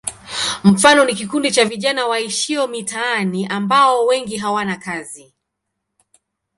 Mfano ni kikundi cha vijana waishio mitaani ambao wengi hawana kazi.